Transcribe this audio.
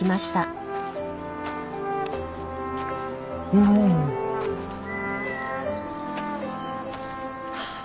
うん。はあ。